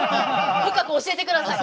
深く教えて下さい。